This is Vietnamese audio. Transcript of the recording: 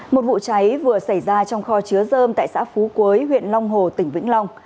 một vụ cháy vừa xảy ra trong kho chứa dơm tại xã phú quế huyện long hồ tỉnh vĩnh long